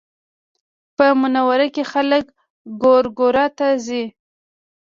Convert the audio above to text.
په منوره کې خلک ګورګورو ته ځي